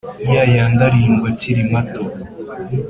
Ya yandi arindwi akiri mato